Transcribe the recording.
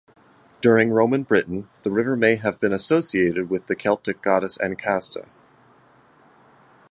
During Roman Britain, the river may have been associated with the Celtic goddess Ancasta.